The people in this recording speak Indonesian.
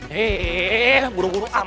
heee burung burung aman